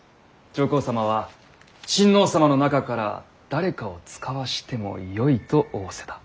上皇様は親王様の中から誰かを遣わしてもよいと仰せだ。